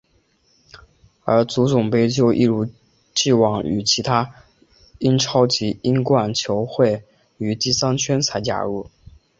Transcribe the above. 而足总杯就一如已往与其他英超及英冠球会于第三圈才加入。